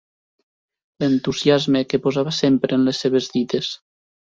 L’entusiasme que posava sempre en les seves dites.